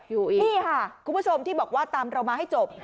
นี่ค่ะคุณผู้ชมที่บอกว่าตามเรามาให้จบ